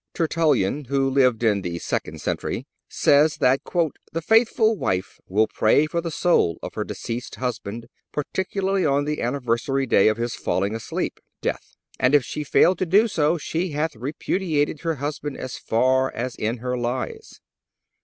Tertullian, who lived in the second century, says that "the faithful wife will pray for the soul of her deceased husband, particularly on the anniversary day of his falling asleep (death). And if she fail to do so she hath repudiated her husband as far as in her lies."